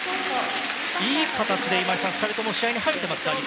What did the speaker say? いい形で今井さん、２人とも試合に入れていますか？